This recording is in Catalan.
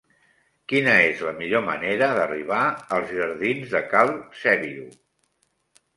Quina és la millor manera d'arribar als jardins de Cal Sèbio?